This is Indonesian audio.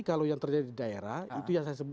kalau yang terjadi di daerah itu yang saya sebut